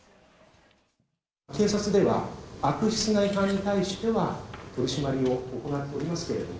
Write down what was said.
警察では悪質な違反に対しては取締りを行っておりますけれども、